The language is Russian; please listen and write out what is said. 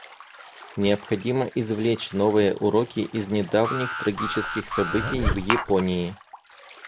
Необходимо извлечь новые уроки из недавних трагических событий в Японии.